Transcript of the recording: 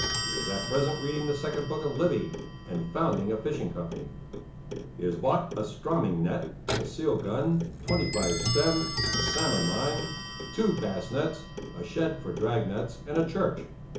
He is at present reading the second book of Livy and founding a Fishing Company. He has bought a strömming net, a seal gun, twenty five pipe stems, a salmon line, two bass nets, a shed for drag nets and a church.